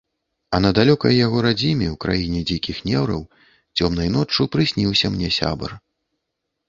А на далёкай яго радзіме, у краіне дзікіх неўраў, цёмнай ноччу прысніўся мне сябар.